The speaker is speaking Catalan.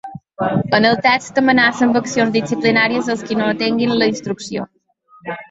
En el text amenaça amb accions disciplinàries als qui no atenguin la instrucció.